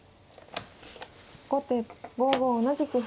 後手５五同じく歩。